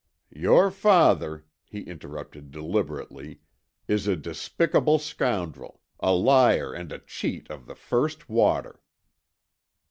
"Your father," he interrupted deliberately, "is a despicable scoundrel; a liar and a cheat of the first water."